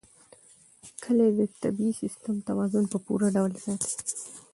کلي د طبعي سیسټم توازن په پوره ډول ساتي.